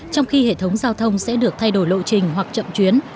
trong khi hệ thống giao thông sẽ được thay đổi lộn